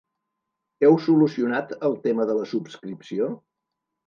Heu solucionat el tema de la subscripció?